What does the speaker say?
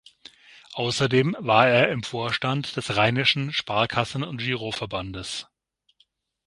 Außerdem war er im Vorstand des Rheinischen Sparkassen- und Giroverbandes.